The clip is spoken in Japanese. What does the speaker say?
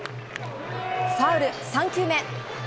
ファウル、３球目。